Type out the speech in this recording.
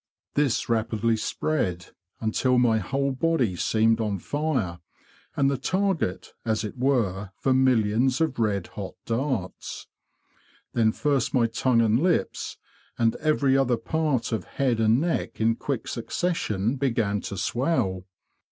This rapidly spread, until my whole: body seemed on fire, and the target, as it were, for millions of red hot darts. Then first my tongue and lips, and every other part of head and neck, in quick succession, began to swell.